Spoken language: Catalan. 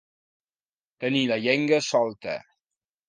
Tenir la llengua solta.